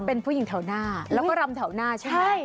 เป็นผู้หญิงแถวหน้าแล้วก็รำแถวหน้าใช่ไหม